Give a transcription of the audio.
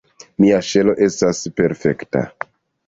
Mia ŝelo estas perfekta.